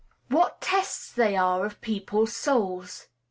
What tests they are of people's souls!